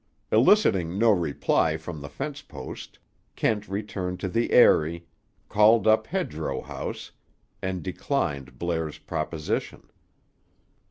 Eliciting no reply from the fence post, Kent returned to the Eyrie, called up Hedgerow House, and declined Blair's proposition.